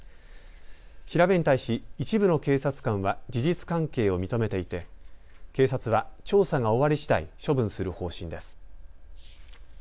調べに対し一部の警察官は事実関係を認めていて警察は調査が終わりしだい処分する方針です。